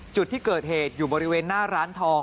จุดที่เกิดเหตุอยู่บริเวณหน้าร้านทอง